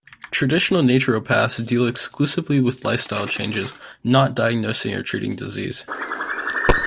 Traditional naturopaths deal exclusively with lifestyle changes, not diagnosing or treating disease.